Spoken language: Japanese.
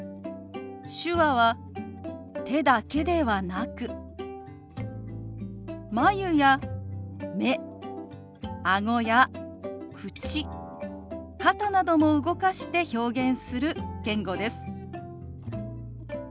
手話は手だけではなく眉や目あごや口肩なども動かして表現する言語です。